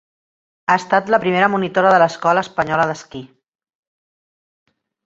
Ha estat la primera monitora de l’Escola Espanyola d’Esquí.